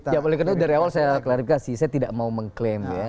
ya boleh kira dari awal saya klarifikasi saya tidak mau mengklaim ya